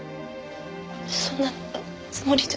そんなつもりじゃ。